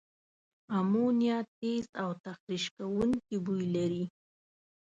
امونیا تیز او تخریش کوونکي بوی لري.